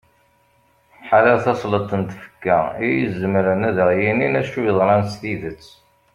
ḥala tasleḍt n tfekka i izemren ad aɣ-yinin acu yeḍran s tidet